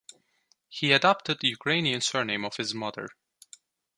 He adopted Ukrainian surname of his mother.